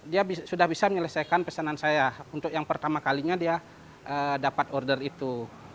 dia sudah bisa menyelesaikan pesanan saya untuk yang pertama kalinya dia dapat order itu